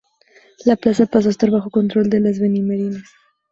La plaza pasó a estar bajo control de los benimerines.